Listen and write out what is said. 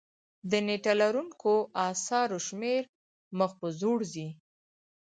د نېټه لرونکو اثارو شمېر مخ په ځوړ ځي.